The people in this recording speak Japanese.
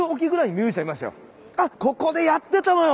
あっここでやってたのよ。